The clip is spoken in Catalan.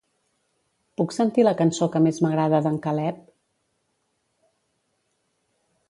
Puc sentir la cançó que més m'agrada d'en Caleb?